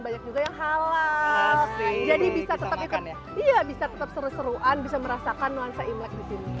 banyak juga yang halal jadi bisa tetap ikut iya bisa tetap seru seruan bisa merasakan nuansa imlek di sini